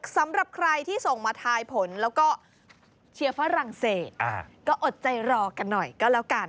สำหรับใครที่ส่งมาทายผลแล้วก็เชียร์ฝรั่งเศสก็อดใจรอกันหน่อยก็แล้วกัน